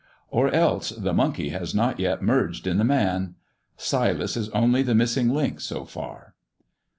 Or else the monkey has not yet merged in the man. Silas is only the missing link so far."